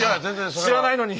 知らないのに！